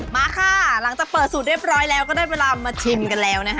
มาค่ะหลังจากเปิดสูตรเรียบร้อยแล้วก็ได้เวลามาชิมกันแล้วนะคะ